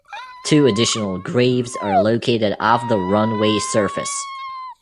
Two additional graves are located off the runway surface.